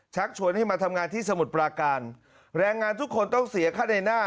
ชวนให้มาทำงานที่สมุทรปราการแรงงานทุกคนต้องเสียค่าในหน้า